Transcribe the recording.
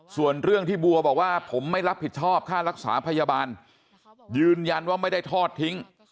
ส่วนเรื่องที่บัวบอกว่าผมไม่รับผิดชอบค่ารักษาพยาบาลยืนยันว่าไม่ได้ทอดทิ้ง